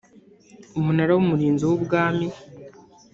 Umunara w’umurinzi w’ubwami